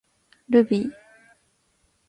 ルビー